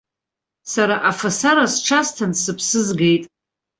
Сара афасара сҽасҭан, сыԥсы згеит.